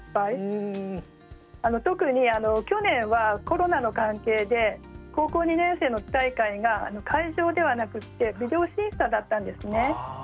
特に去年はコロナの関係で高校２年生の大会が会場ではなくってビデオ審査だったんですね。